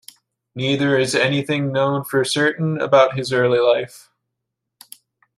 Neither is anything known for certain about his early life.